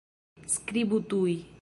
Skribu tuj.